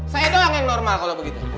saya doang yang normal kalau begitu